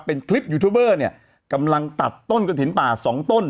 เป็นคลิปยูทูบเบอร์เนี่ยกำลังตัดต้นกระถิ่นป่าสองต้น